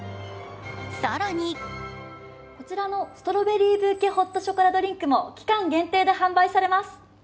更にこちらのストロベリーブーケホットショコラドリンクも期間限定で販売されます。